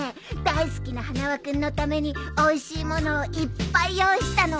大好きな花輪君のためにおいしい物をいっぱい用意したの！